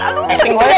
aduh bisa dipenjara